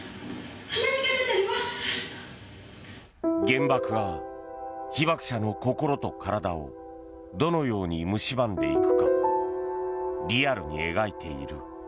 原爆が、被爆者の心と体をどのようにむしばんでいくかリアルに描いている。